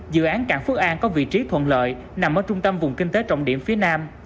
dự án cảng phước an có vị trí thuận lợi nằm ở trung tâm vùng kinh tế trọng điểm phía nam